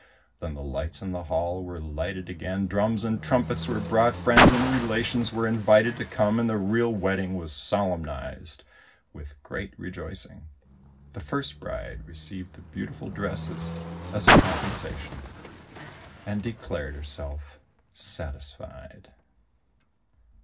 Then the lights in the hall were lighted again, drums and trumpets were brought, friends and relations were invited to come, and the real wedding was solemnized with great rejoicing. The first bride received the beautiful dresses as a compensation, and declared herself satisfied.